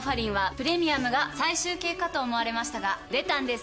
プレミアムが最終形かと思われましたが出たんです